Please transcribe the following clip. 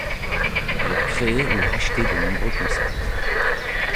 Elle a créé ou racheté de nombreux concepts.